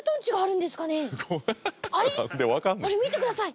あれ見てください。